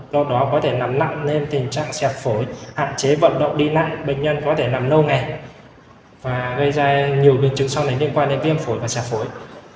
do đó có thể nằm nặng lên tình trạng xẻ phổi hạn chế vận động đi nặng bệnh nhân có thể nằm nâu nghẹt và gây ra nhiều biến chứng sau này liên quan đến viêm phổi và xạ phổi